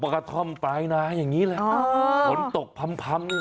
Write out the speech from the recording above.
กระท่อมปลายนาอย่างนี้แหละฝนตกพำพำ